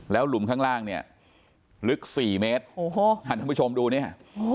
หลุมข้างล่างเนี่ยลึกสี่เมตรโอ้โหท่านผู้ชมดูเนี่ย